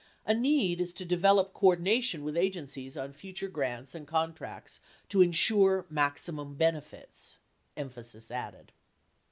(A need is to develop coordina tion with agencies on future grants and contracts to insure maximum benefits.) [Emphasis added.